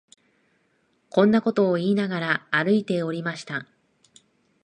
こんなことを言いながら、歩いておりました